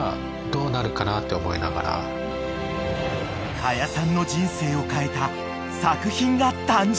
［可夜さんの人生を変えた作品が誕生］